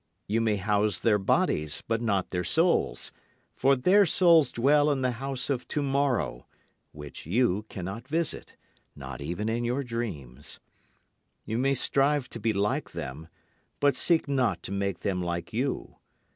You may house their bodies but not their souls, For their souls dwell in the house of tomorrow, which you cannot visit, not even in your dreams. You may strive to be like them, but seek not to make them like you.